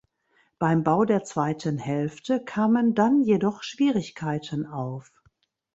Beim Bau der zweiten Hälfte kamen dann jedoch Schwierigkeiten auf.